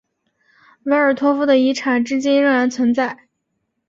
维尔托夫的遗产至今天仍然存在。